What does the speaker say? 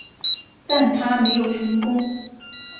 但它没有成功。